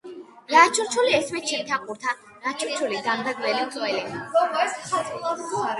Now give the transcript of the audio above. " რა ჩურჩული ესმის ჩემთა ყურთა რა ჩურჩული დამდაგველი მწველნი